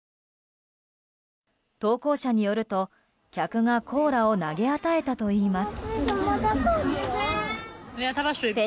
投稿者によると、客がコーラを投げ与えたといいます。